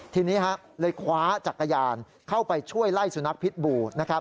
ทีนี้เลยคว้าจักรยานเข้าไปช่วยไล่สุนัขพิษบูนะครับ